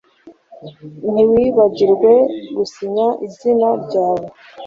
Ntiwibagirwe gusinya izina ryawe